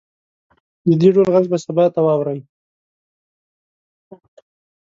د دې ډول غږ به سبا ته واورئ